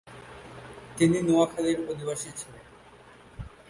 তিনি নোয়াখালীর অধিবাসী ছিলেন।